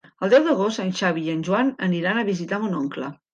El deu d'agost en Xavi i en Joan aniran a visitar mon oncle.